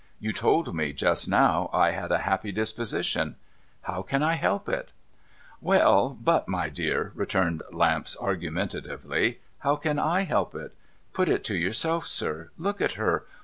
You told me, just now, I had a happy disposition. How can I help it ?'' Well ; but, my dear,' returned Lamps argumentatively, * how can / help it ? Put it to yourself, sir. Look at her.